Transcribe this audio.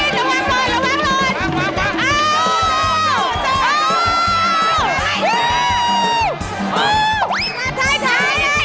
แล้วน้าวินใจเย็น